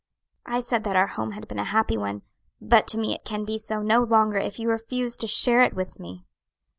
I said that our home had been a happy one, but to me it can be so no longer if you refuse to share it with me!"